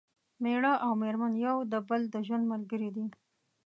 مېړه او مېرمن یو د بل د ژوند ملګري دي